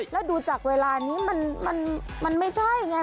แล้วดูจากเวลานี้มันไม่ใช่ไง